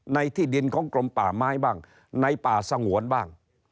ในที่ดินของกรมป่าไม้บ้างในป่าสงวนบ้าง